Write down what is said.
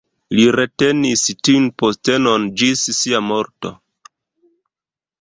Li retenis tiun postenon ĝis sia morto.